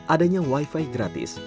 adanya wifi gratis